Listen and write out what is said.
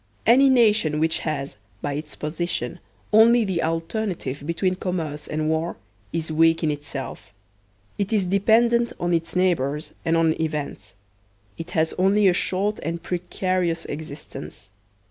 Any nation which has, by its position, only the alternative between commerce and war is weak in itself; it is depend ent on its neighbors and on events; it has only a short and precarious existence.